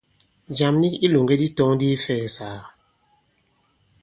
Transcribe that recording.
Jàm nik i ilòŋgɛ di tɔ̄ŋ ndi ifɛ̀ɛ̀sàgà.